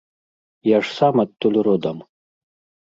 Я ж сам адтуль родам.